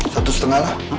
satu setengah lah